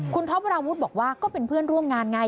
คุณท็อปวราวุฒิบอกว่าก็เป็นเพื่อนร่วมงานไง